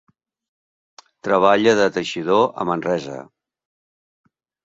Treballà de teixidor a Manresa.